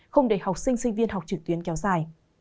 không để học sinh sinh viên học trực tuyến kéo dài